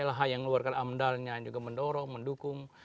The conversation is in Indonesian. lh yang mengeluarkan amdalnya juga mendorong mendukung